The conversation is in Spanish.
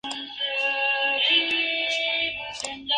No hubo bajas humanas en esa acción.